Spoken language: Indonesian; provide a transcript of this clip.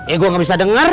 eh gue gak bisa denger